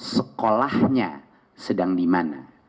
sekolahnya sedang dimana